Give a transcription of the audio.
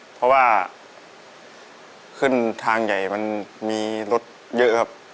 เพราะว่าขึ้นทางใหญ่มันมีรถเยอะครับ